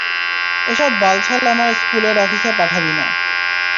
এসব বালছাল আমার স্কুলের অফিসে পাঠাবি না।